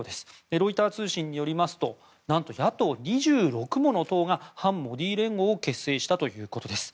ロイター通信によりますとなんと野党２６もの党が反モディ連合を結成したということです。